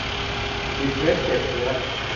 หยิกเล็บเจ็บเนื้อ